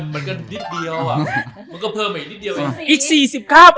มันเกินนิดเดียวมันก็เพิ่มไปนิดเดียว